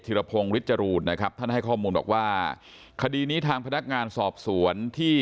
รพงศ์ฤทจรูนนะครับท่านให้ข้อมูลบอกว่าคดีนี้ทางพนักงานสอบสวนที่